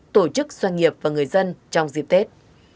tổ chức doanh nghiệp và người dân trong dịp tết